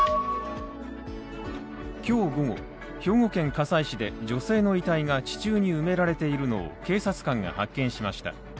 今日午後、兵庫県加西市で女性の遺体が地中に埋められているのを警察官が発見しました。